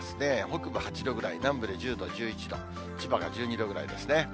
北部８度ぐらい、南部で１０度、１１度、千葉が１２度ぐらいですね。